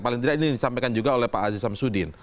paling tidak ini disampaikan juga oleh pak aziz samsudin